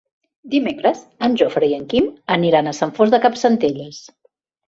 Dimecres en Jofre i en Quim aniran a Sant Fost de Campsentelles.